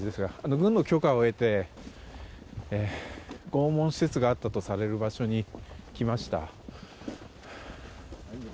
軍の許可を得て拷問施設があったとされる場所に来ました。